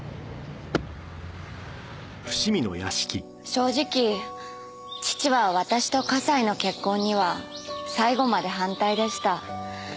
正直父は私と笠井の結婚には最後まで反対でした。